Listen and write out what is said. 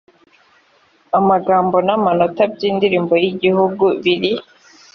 amagambo n amanota by indirimbo y igihugu biri